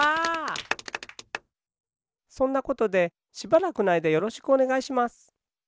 そんなことでしばらくのあいだよろしくおねがいします。